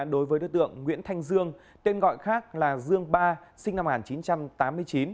đối với đối tượng nguyễn thanh dương tên gọi khác là dương ba sinh năm một nghìn chín trăm tám mươi chín